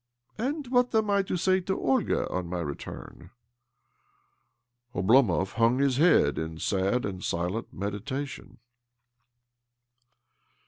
" And what am I to say to Olga on my return? " Oblomov hung his heald in sad and silent meditation.